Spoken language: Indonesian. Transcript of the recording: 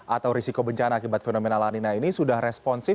atau risiko bencana akibat fenomena lanina ini sudah responsif